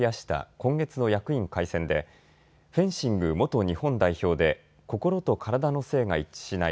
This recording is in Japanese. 今月の役員改選でフェンシング元日本代表で心と体の性が一致しない